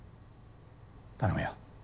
頼むよ。